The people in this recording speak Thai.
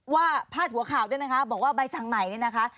พาดหัวข่าวด้วยนะคะบอกว่าใบสั่งใหม่นี่นะคะ